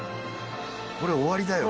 これ、終わりだよ。